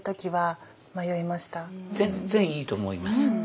全然いいと思います。